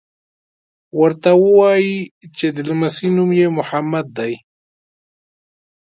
ورته ووایي چې د لمسي نوم یې محمد دی.